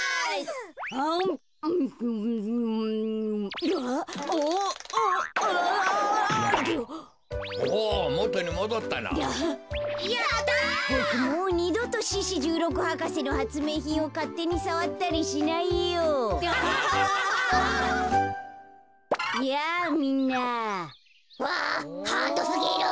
わあハートすぎる！